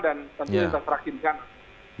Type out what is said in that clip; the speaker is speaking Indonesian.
dan tentu internet fraksi di sana